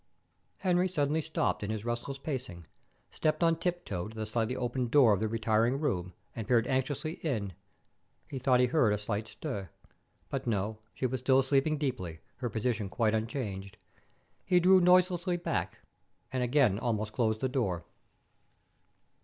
Henry suddenly stopped in his restless pacing, stepped on tiptoe to the slightly opened door of the retiring room, and peered anxiously in. He thought he heard a slight stir. But no; she was still sleeping deeply, her position quite unchanged. He drew noiselessly back, and again almost closed the door.